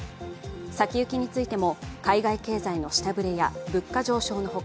先行きについても海外経済の下振れや物価上昇のほか、